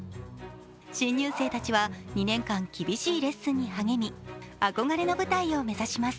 新入生たちは２年間、厳しいレッスンに励み憧れの舞台を目指します。